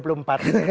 takutnya seperti itu